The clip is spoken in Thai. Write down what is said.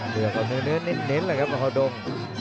เหนือนิ้วเน้นแหละครับฮาวดง